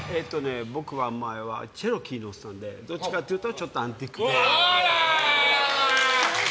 僕は前はチェロキー乗ってたんでどっちかというとちょっとアンティーク系。